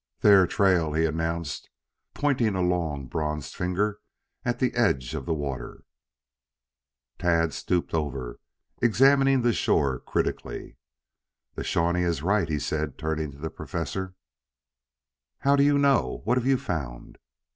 "There trail," he announced, pointing a long, bronzed finger at the edge of the water. Tad stooped over, examining the shore critically. "The Shawnee is right," he said, turning to the Professor. "How do you know? What have you found?"